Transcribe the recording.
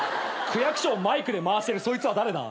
区役所をマイクで回してるそいつは誰だ。